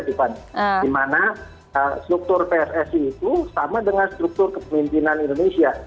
dimana struktur pssi itu sama dengan struktur kepemimpinan indonesia